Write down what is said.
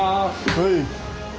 はい！